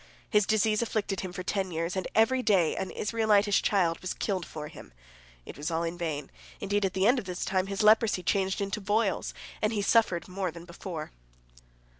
His disease afflicted him for ten years, and every day an Israelitish child was killed for him. It was all in vain; indeed, at the end of the time his leprosy changed into boils, and he suffered more than before.